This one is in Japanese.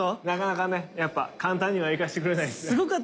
なかなかねやっぱ簡単には行かせてくれないですね。